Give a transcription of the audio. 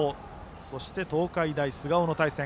そして、東海大菅生の対戦。